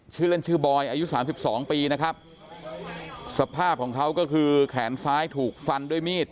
ชื่อเล่นชื่อบอยอายุสามสิบสองปีนะครับสภาพของเขาก็คือแขนซ้ายถูกฟันด้วยมีด